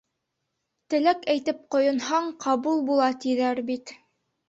Теләк әйтеп ҡойонһаң, ҡабул була, тиҙәр бит.